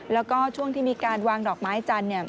แล้วก็ช่วงที่มีการวางดอกไม้จันทร์เนี่ย